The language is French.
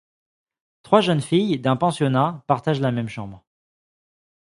Trois jeunes filles d'un pensionnat partagent la même chambre.